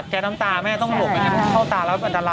ก็ต้องหลบก่อน